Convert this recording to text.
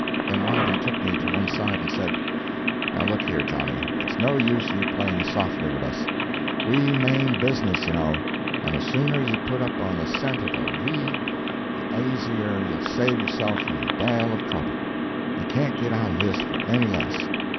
Then one of them took me to one side and said: "Now look here, Johnny, it's no use you playing softy wid us. We mane business, ye know; and the sooner ye put us on the scent of a V the asier ye'll save yerself from a dale of trouble. Ye can't get out o' this for anny less.